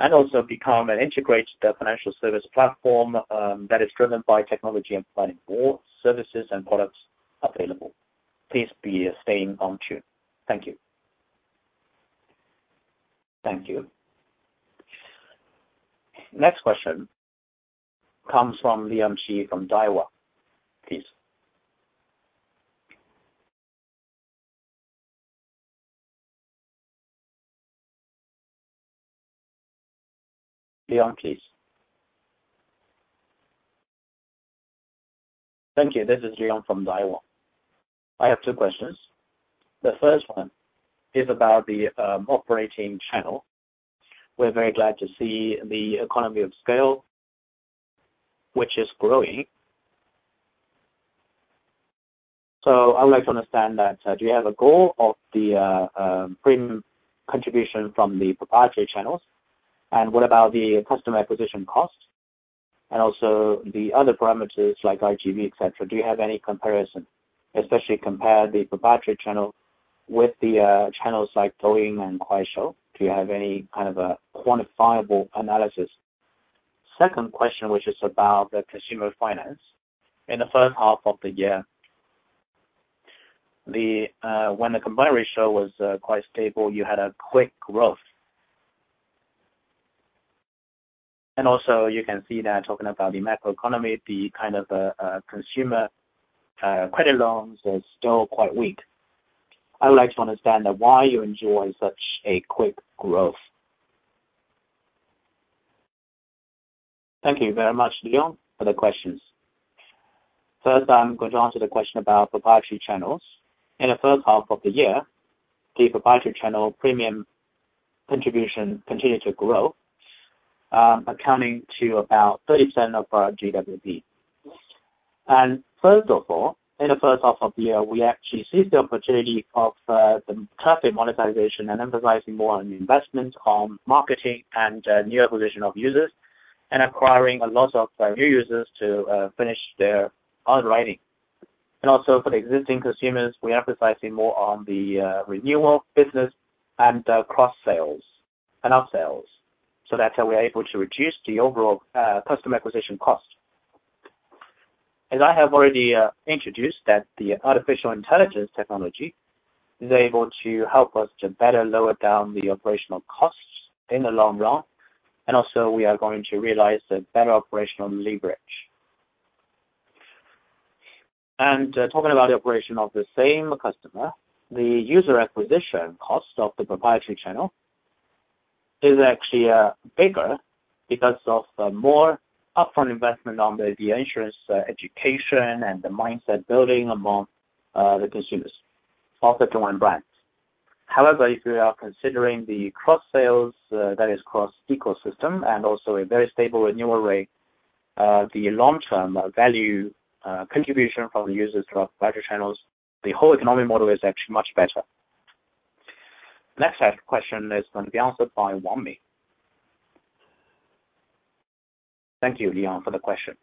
and also become an integrated financial service platform that is driven by technology and providing more services and products available. Please be staying on tune. Thank you. Thank you. Next question comes from Leon Qi from Daiwa. Please. Leon, please. Thank you. This is Leon from Daiwa. I have two questions. The first is about the operating channel. We're very glad to see the economy of scale, which is growing. I would like to understand that, do you have a goal of the prem contribution from the proprietary channels? And what about the customer acquisition costs and also the other parameters like IGV, et cetera? Do you have any comparison, especially compare the proprietary channel with the channels like Douyin and Kuaishou? Do you have any kind of a quantifiable analysis? Second question, which is about the consumer finance. In the first half of the year, when the combined ratio was quite stable, you had a quick growth. Also you can see that talking about the macroeconomy, the consumer credit loans are still quite weak. I would like to understand why you enjoy such a quick growth. Thank you very much, Leon, for the questions. First, I'm going to answer the question about proprietary channels. In the first half of the year, the proprietary channel premium contribution continued to grow, accounting to about 30% of our GWP. First of all, in the first half of the year, we actually seized the opportunity of the traffic monetization and emphasizing more on investment on marketing and new acquisition of users and acquiring a lot of new users to finish their underwriting. Also for the existing consumers, we're emphasizing more on the renewal business and cross-sales and up-sales. That's how we are able to reduce the overall customer acquisition cost. As I have already introduced that the artificial intelligence technology is able to help us to better lower down the operational costs in the long run. Also we are going to realize a better operational leverage. Talking about the operation of the same customer, the user acquisition cost of the proprietary channel is actually bigger because of more upfront investment on the insurance education and the mindset building among the consumers of the ZhongAn brand. However, if you are considering the cross-sales, that is cross-ecosystem, and also a very stable renewal rate, the long-term value contribution from users through our channels, the whole economic model is actually much better. Next question is going to be answered by Wang Min. Thank you, Leon, for the question.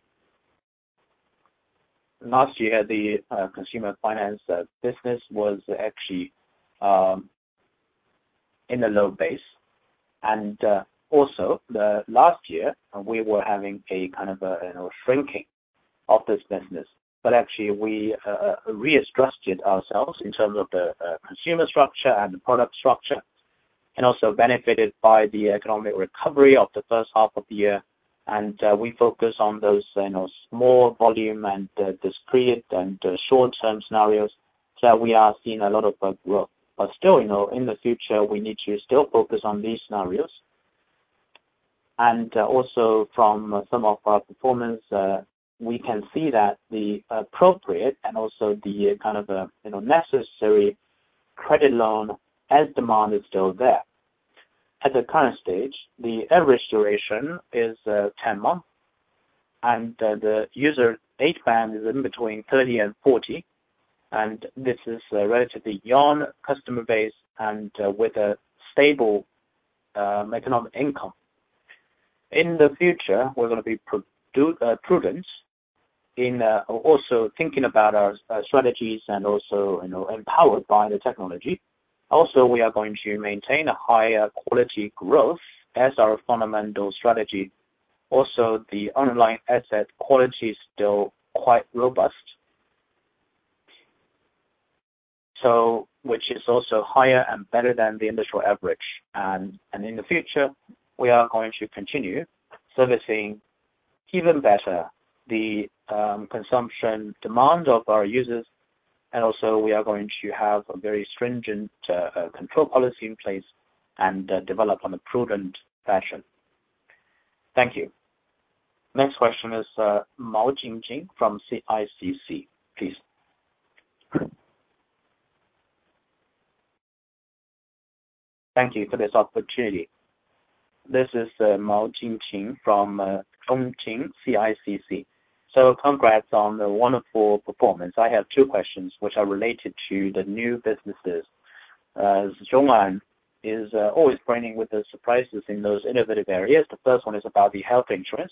Last year, the consumer finance business was actually in a low base, and also the last year, we were having a kind of a shrinking of this business. Actually we restructured ourselves in terms of the consumer structure and the product structure, and also benefited by the economic recovery of the first half of the year. We focus on those small volume and discrete and short-term scenarios. We are seeing a lot of growth. Still, in the future, we need to still focus on these scenarios. Also from some of our performance, we can see that the appropriate and also the necessary credit loan as demand is still there. At the current stage, the average duration is 10 months, and the user age band is between 30 and 40. This is a relatively young customer base with a stable economic income. In the future, we're going to be prudent in also thinking about our strategies and also empowered by the technology. We are going to maintain a higher quality growth as our fundamental strategy. The underlying asset quality is still quite robust, which is also higher and better than the industrial average. In the future, we are going to continue servicing even better the consumption demand of our users. We are going to have a very stringent control policy in place and develop on a prudent fashion. Thank you. Next question is Mao Jingjing from CICC, please. Thank you for this opportunity. This is Mao Jingjing from CICC. Congrats on the wonderful performance. I have two questions which are related to the new businesses. ZhongAn is always bringing with the surprises in those innovative areas. The first one is about the health insurance.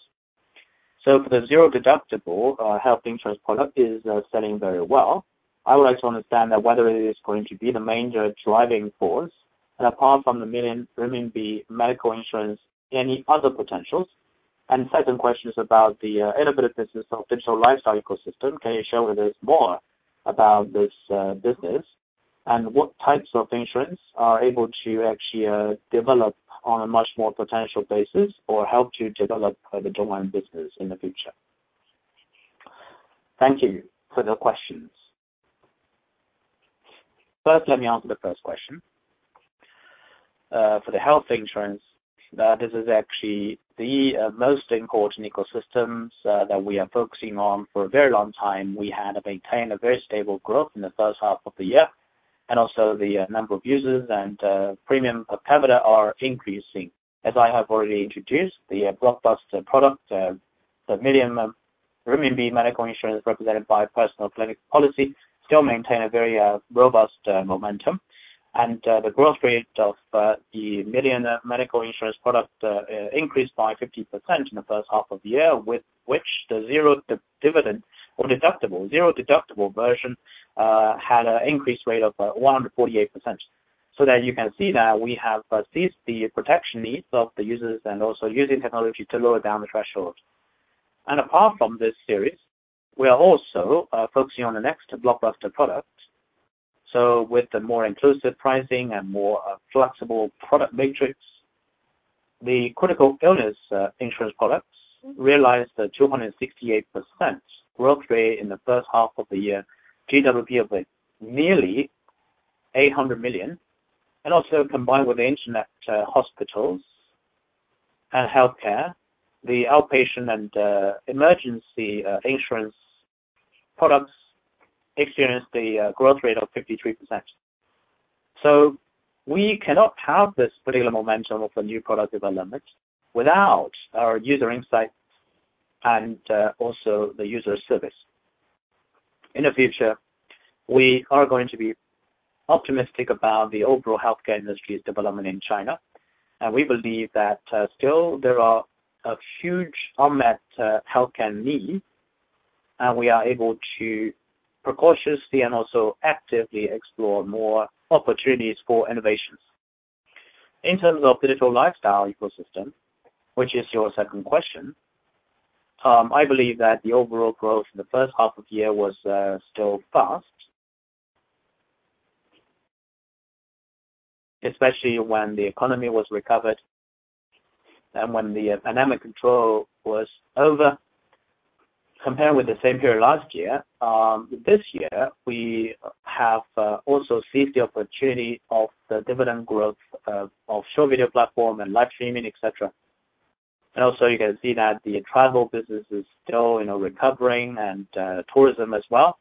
For the zero deductible health insurance product is selling very well. I would like to understand whether it is going to be the major driving force, and apart from the million CNY medical insurance, any other potentials? Second question is about the innovative business of digital lifestyle ecosystem. Can you share with us more about this business? What types of insurance are able to actually develop on a much more potential basis or help to develop the ZhongAn business in the future? Thank you for the questions. First, let me answer the first question. For the health insurance, this is actually the most important ecosystem that we are focusing on for a very long time. We had maintained a very stable growth in the first half of the year. The number of users and premium per capita are increasing. I have already introduced, the blockbuster product, the million CNY medical insurance represented by Personal Clinic Policy, still maintain a very robust momentum. The growth rate of the million medical insurance product increased by 50% in the first half of the year with which the zero deductible version had an increase rate of 148%. You can see that we have seized the protection needs of the users and using technology to lower down the threshold. Apart from this series, we are also focusing on the next blockbuster product. With the more inclusive pricing and more flexible product matrix, the critical illness insurance products realized a 268% growth rate in the first half of the year, GWP of nearly 800 million. Combined with the Internet hospitals and healthcare, the outpatient and emergency insurance products experienced a growth rate of 53%. We cannot have this particular momentum of a new product development without our user insight and the user service. In the future, we are going to be optimistic about the overall healthcare industry's development in China. We believe that still there are huge unmet healthcare needs. We are able to proactively explore more opportunities for innovations. In terms of digital lifestyle ecosystem, which is your second question, I believe that the overall growth in the first half of the year was still fast. Especially when the economy was recovered and when the pandemic control was over, compared with the same period last year, this year, we have also seized the opportunity of the dividend growth of short video platform and live streaming, et cetera. You can see that the travel business is still recovering and tourism as well.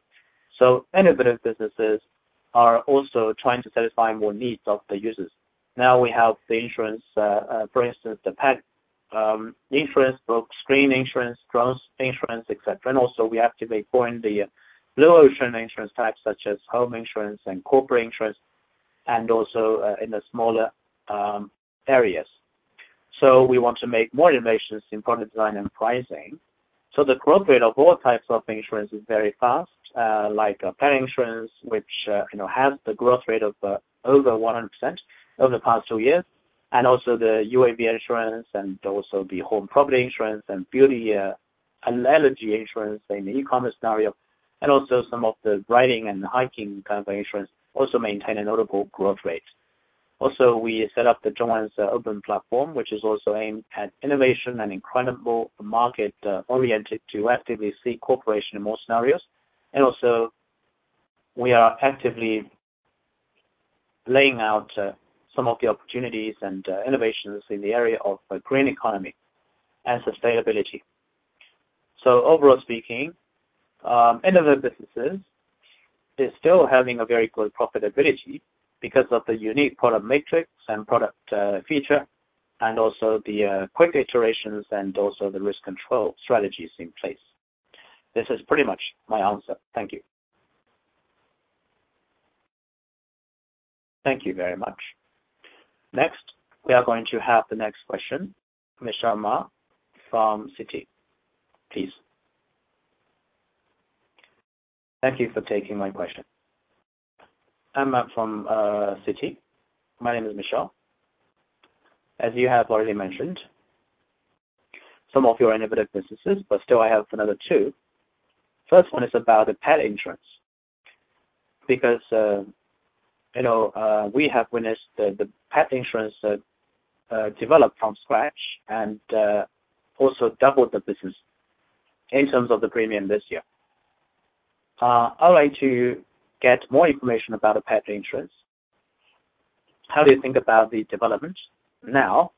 Innovative businesses are also trying to satisfy more needs of the users. Now we have the insurance, for instance, the pet insurance, broken screen insurance, drone insurance, et cetera. We activate foreign the blue ocean insurance types, such as home insurance and corporate insurance, and also in the smaller areas. We want to make more innovations in product design and pricing. The growth rate of all types of insurance is very fast, like pet insurance, which has the growth rate of over 100% over the past two years, and also the UAV insurance and also the home property insurance and beauty and allergy insurance in the e-commerce scenario, and also some of the riding and hiking kind of insurance also maintain a notable growth rate. We set up the ZhongAn's open platform, which is also aimed at innovation and incredible market oriented to actively seek cooperation in more scenarios. We are actively laying out some of the opportunities and innovations in the area of green economy and sustainability. Overall speaking, innovative businesses is still having a very good profitability because of the unique product matrix and product feature and also the quick iterations and also the risk control strategies in place. This is pretty much my answer. Thank you. Thank you very much. Next, we are going to have the next question, Michelle Ma from Citi. Please. Thank you for taking my question. I am from Citi. My name is Michelle. You have already mentioned some of your innovative businesses, but still I have another two. First one is about the pet insurance, because we have witnessed the pet insurance develop from scratch and also double the business in terms of the premium this year. I would like to get more information about the pet insurance. How do you think about the development now,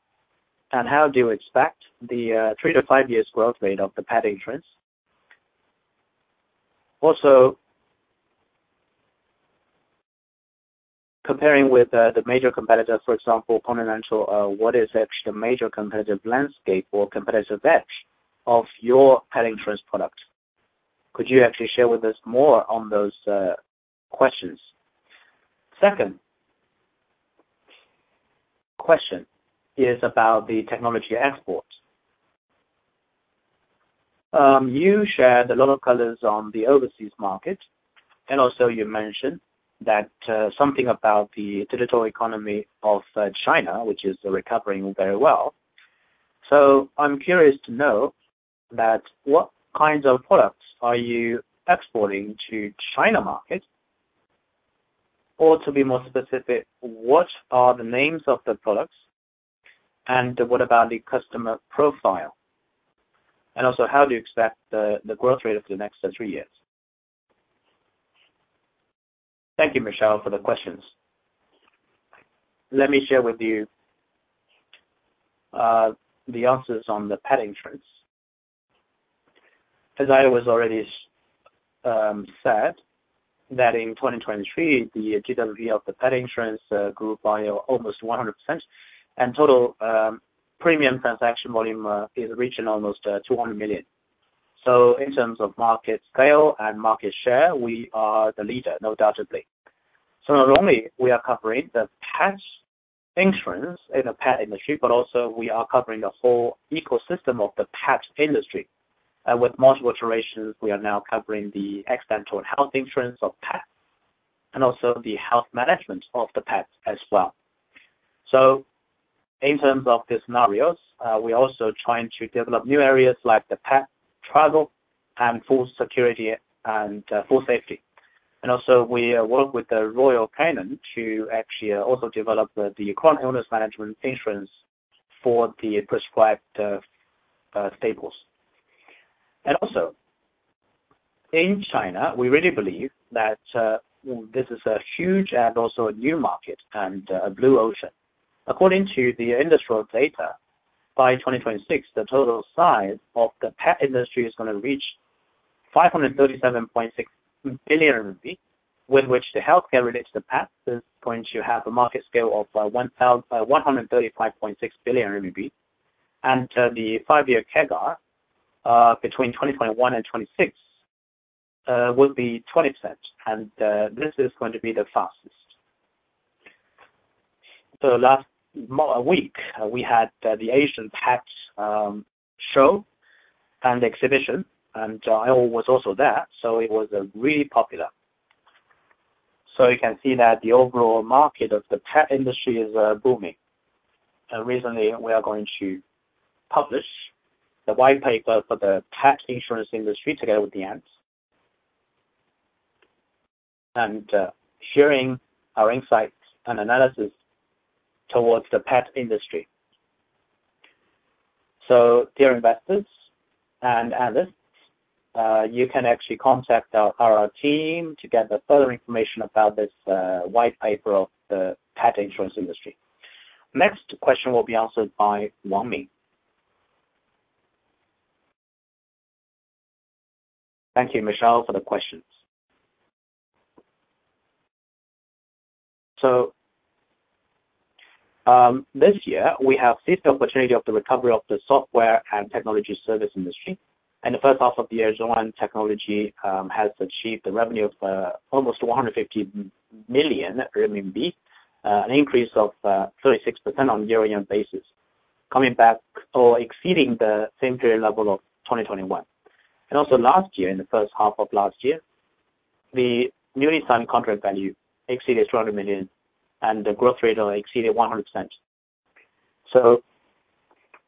and how do you expect the three to five years growth rate of the pet insurance? Also, comparing with the major competitor, for example, Continental, what is actually the major competitive landscape or competitive edge of your pet insurance product? Could you actually share with us more on those questions? Second question is about the technology export. You shared a lot of colors on the overseas market. You mentioned that something about the digital economy of China, which is recovering very well. I am curious to know that what kinds of products are you exporting to China market? To be more specific, what are the names of the products, and what about the customer profile? How do you expect the growth rate of the next three years? Thank you, Michelle, for the questions. Let me share with you the answers on the pet insurance. As I was already said that in 2023, the GWP of the pet insurance grew by almost 100%, and total premium transaction volume is reaching almost 200 million. In terms of market sale and market share, we are the leader, undoubtedly. Not only we are covering the pet insurance in the pet industry, but also we are covering the whole ecosystem of the pet industry. With multiple iterations, we are now covering the accidental health insurance of pets, and also the health management of the pets as well. In terms of the scenarios, we're also trying to develop new areas like the pet travel and food security and food safety. We work with the Royal Canin to actually also develop the chronic illness management insurance for the prescribed staples. In China, we really believe that this is a huge and also a new market and a blue ocean. According to the industrial data, by 2026, the total size of the pet industry is going to reach 537.6 billion RMB, with which the healthcare related to pets is going to have a market scale of 135.6 billion RMB. The five-year CAGR between 2021 and 2026 will be 20%, and this is going to be the fastest. Last week, we had the Pet Fair Asia, and I was also there, it was really popular. You can see that the overall market of the pet industry is booming. Recently, we are going to publish the white paper for the pet insurance industry together with Ant Group. Sharing our insights and analysis towards the pet industry. Dear investors and analysts, you can actually contact our team to get further information about this white paper of the pet insurance industry. Next question will be answered by Wang Min. Thank you, Michelle, for the questions. This year, we have seized the opportunity of the recovery of the software and technology service industry. In the first half of the year, ZhongAn Technology has achieved the revenue of almost 150 million RMB, an increase of 36% on a year-on-year basis, coming back or exceeding the same period level of 2021. Last year, in the first half of last year, the newly signed contract value exceeded 200 million, and the growth rate exceeded 100%.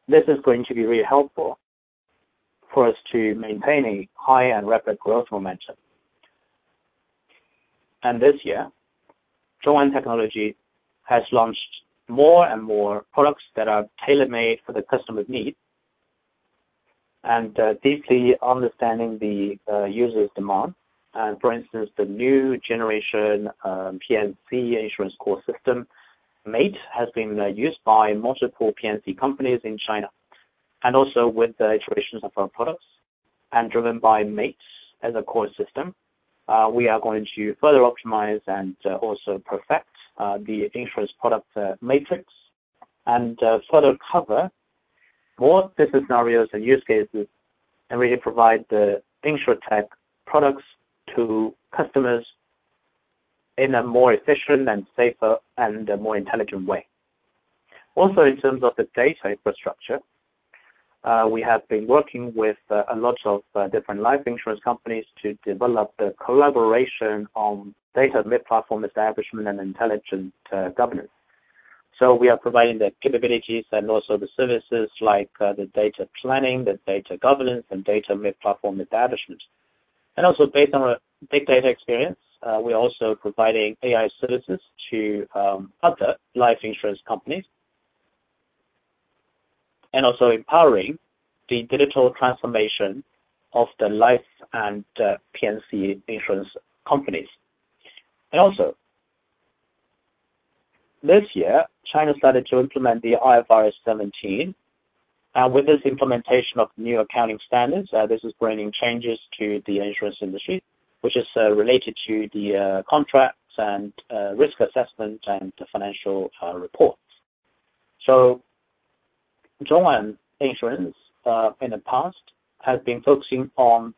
This is going to be really helpful for us to maintain a high and rapid growth momentum. This year, ZhongAn Technology has launched more and more products that are tailor-made for the customer's needs and deeply understanding the user's demand. For instance, the new generation P&C insurance core system, MATE, has been used by multiple P&C companies in China. With the iterations of our products and driven by MATE as a core system, we are going to further optimize and also perfect the insurance product matrix and further cover more business scenarios and use cases and really provide the InsurTech products to customers in a more efficient and safer and a more intelligent way. In terms of the data infrastructure, we have been working with a lot of different life insurance companies to develop the collaboration on data middle platform establishment and intelligent governance. We are providing the capabilities and also the services like the data planning, the data governance, and data middle platform establishment. Based on our big data experience, we're also providing AI services to other life insurance companies. Empowering the digital transformation of the life and P&C insurance companies. This year, China started to implement the IFRS 17. With this implementation of new accounting standards, this is bringing changes to the insurance industry, which is related to the contracts and risk assessment and the financial reports. ZhongAn Insurance, in the past, has been focusing on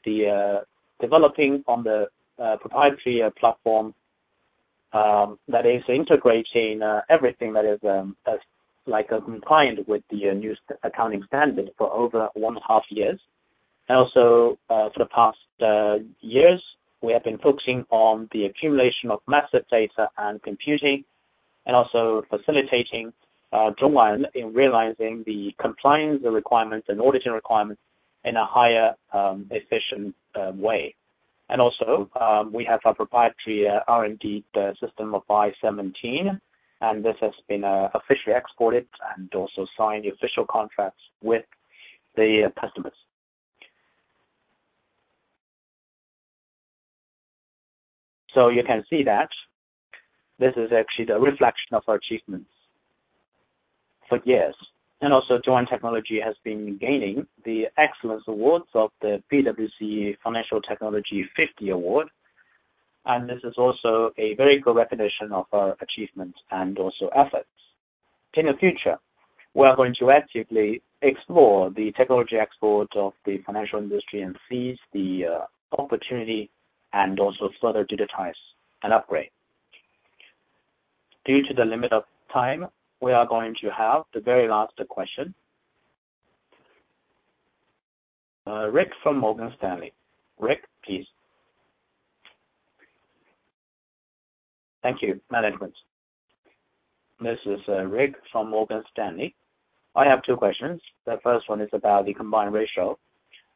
developing on the proprietary platform that is integrating everything that is compliant with the new accounting standard for over one and a half years. For the past years, we have been focusing on the accumulation of massive data and computing, and also facilitating ZhongAn in realizing the compliance requirements and auditing requirements in a higher efficient way. We have our proprietary R&D system of I-17, and this has been officially exported and also signed the official contracts with the customers. You can see that this is actually the reflection of our achievements for years. ZhongAn Technology has been gaining the Excellence Awards of the PwC Financial Technology 50 Award, and this is also a very good recognition of our achievements and also efforts. In the future, we are going to actively explore the technology export of the financial industry and seize the opportunity and also further digitize and upgrade. Due to the limit of time, we are going to have the very last question. Rick from Morgan Stanley. Rick, please. Thank you, management. This is Rick from Morgan Stanley. I have two questions. The first one is about the combined ratio.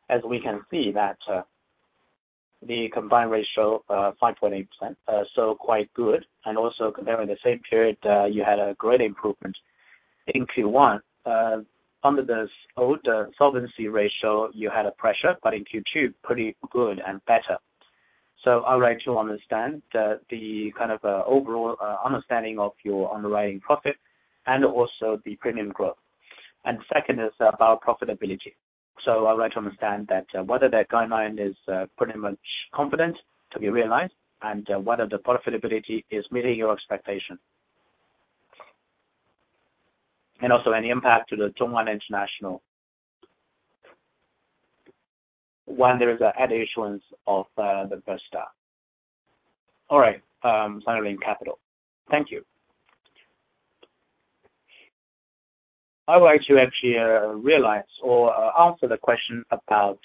As we can see that the combined ratio, 5.8%, so quite good. Comparing the same period, you had a great improvement in Q1. Under this old solvency ratio, you had a pressure, but in Q2, pretty good and better. I would like to understand the kind of overall understanding of your underwriting profit and also the premium growth. Second is about profitability. I would like to understand that whether that guideline is pretty much confident to be realized, and whether the profitability is meeting your expectation. And also any impact to the ZhongAn International when there is a debt issuance of the first half. All right. [Suning Capital. Thank you. I would like to actually realize or answer the question about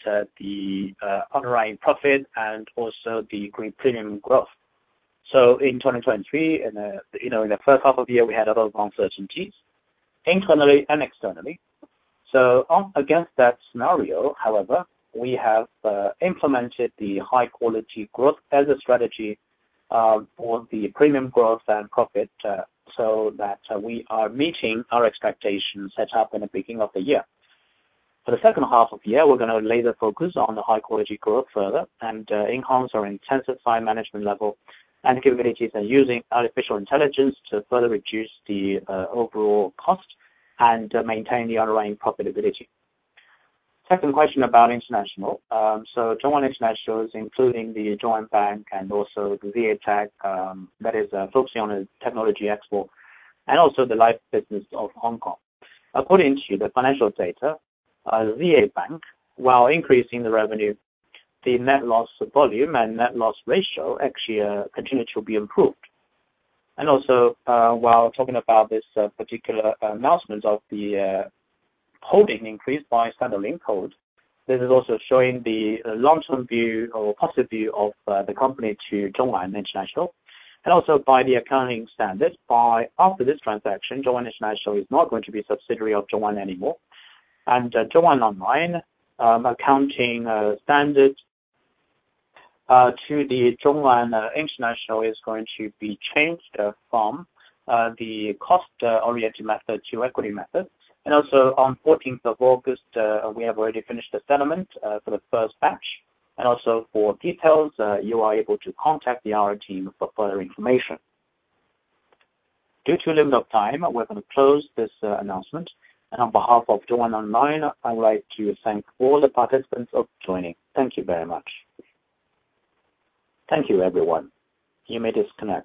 the underlying profit and also the premium growth. In 2023, in the first half of the year, we had a lot of uncertainties internally and externally. Against that scenario, however, we have implemented the high quality growth as a strategy for the premium growth and profit, we are meeting our expectations set up in the beginning of the year. For the second half of the year, we're going to laser focus on the high quality growth further and enhance or intensify management level and capabilities and using artificial intelligence to further reduce the overall cost and maintain the underlying profitability. Second question about international. ZhongAn International is including the ZA Bank and also the ZA Tech, that is focusing on technology export, and also the life business of Hong Kong. According to the financial data, ZA Bank, while increasing the revenue, the net loss volume and net loss ratio actually continued to be improved. While talking about this particular announcement of the holding increased by standard link code, this is also showing the long-term view or positive view of the company to ZhongAn International. By the accounting standard, after this transaction, ZhongAn International is not going to be subsidiary of ZhongAn anymore. ZhongAn Online accounting standard to the ZhongAn International is going to be changed from the cost-oriented method to equity method. On 14th of August, we have already finished the settlement for the first batch, and also for details, you are able to contact the IR team for further information. Due to a limit of time, we're going to close this announcement. On behalf of ZhongAn Online, I would like to thank all the participants of joining. Thank you very much. Thank you, everyone. You may disconnect.